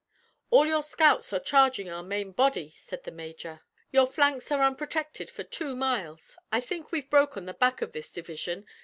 "All your scouts are charging our main body," said the major. "Your flanks are unprotected for two miles. I think we've broken the back of this division.